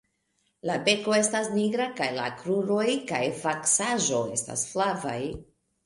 La beko estas nigra kaj la kruroj kaj vaksaĵo estas flavaj.